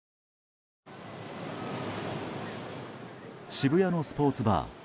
渋谷のスポーツバー。